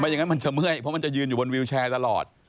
อย่างนั้นมันจะเมื่อยเพราะมันจะยืนอยู่บนวิวแชร์ตลอด